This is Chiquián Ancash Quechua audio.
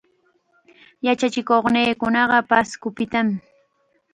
Yachachikuqniikunaqa Pascopitam.